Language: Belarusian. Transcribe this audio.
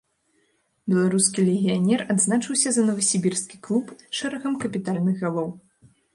Беларускі легіянер адзначыўся за навасібірскі клуб шэрагам капітальных галоў.